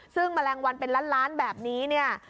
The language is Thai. ซึ่งแมลงวันเป็นล้านล้านแบบนี้เนี่ย